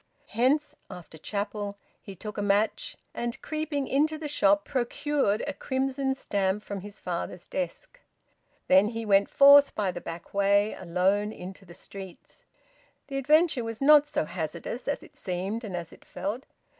Hence, after chapel, he took a match, and, creeping into the shop, procured a crimson stamp from his father's desk. Then he went forth, by the back way, alone into the streets. The adventure was not so hazardous as it seemed and as it felt.